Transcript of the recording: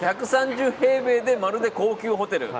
１３０平米でまるで高級ホテル。